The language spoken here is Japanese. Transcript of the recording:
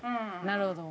なるほど。